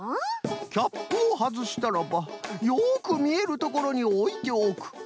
キャップをはずしたらばよくみえるところにおいておく。